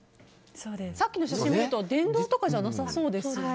さっきの写真を見ると電動とかじゃなさそうですね。